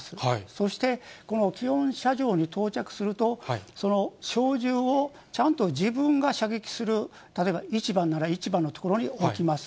そしてこの基本射場に到着すると、小銃をちゃんと自分が射撃する、例えば１番なら１番の所に置きます。